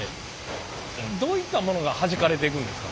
どういったものがはじかれていくんですか？